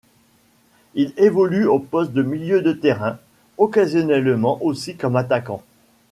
Il évolue au poste de milieu de terrain, occasionnellement aussi comme attaquant.